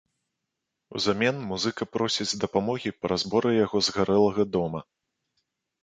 Узамен музыка просіць дапамогі па разборы яго згарэлага дома.